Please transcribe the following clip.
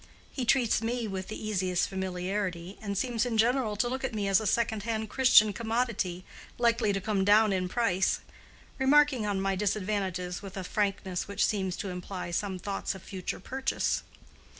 He treats me with the easiest familiarity, and seems in general to look at me as a second hand Christian commodity, likely to come down in price; remarking on my disadvantages with a frankness which seems to imply some thoughts of future purchase.